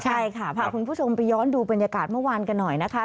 ใช่ค่ะพาคุณผู้ชมไปย้อนดูบรรยากาศเมื่อวานกันหน่อยนะคะ